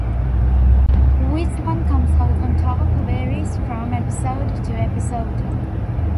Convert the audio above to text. Which one comes out on top varies from episode to episode.